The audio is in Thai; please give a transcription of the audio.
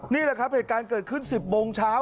นี่แหละครับเหตุการณ์เกิดขึ้น๑๐โมงเช้า